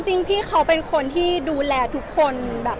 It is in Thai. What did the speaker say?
จริงพี่เขาเป็นคนที่ดูแลทุกคนแบบ